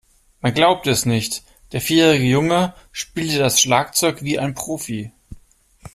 Man glaubte es nicht, der vierjährige Junge spielte das Schlagzeug wie ein Profi.